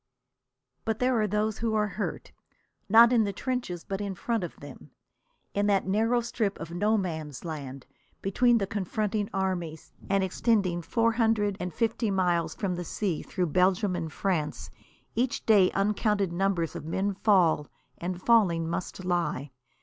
But there are those who are hurt, not in the trenches but in front of them. In that narrow strip of No Man's Land between the confronting armies, and extending four hundred and fifty miles from the sea through Belgium and France, each day uncounted numbers of men fall, and, falling, must lie.